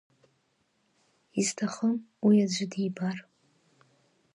Исҭахым уи аӡәы дибар.